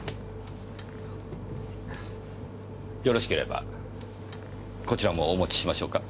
よろしければこちらもお持ちしましょうか？